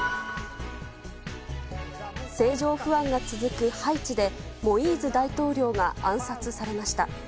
政情不安が続くハイチでモイーズ大統領が暗殺されました。